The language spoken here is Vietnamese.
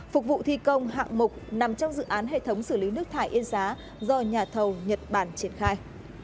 phục vụ thi công hạng mục nằm trong dự án hệ thống xử lý nước thải yên xá do nhà thầu nhật bản triển khai